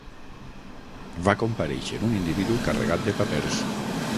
Va comparèixer un individu carregat de papers.